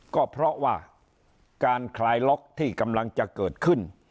ก็เพราะว่าการคลายล็อกที่กำลังจะเกิดขึ้น